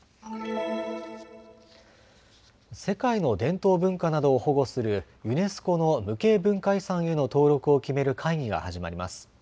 世界の伝統文化などを保護するユネスコの無形文化遺産への登録を決める会議が始まります。